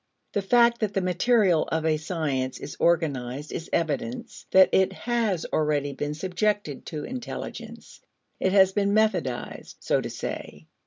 The fact that the material of a science is organized is evidence that it has already been subjected to intelligence; it has been methodized, so to say.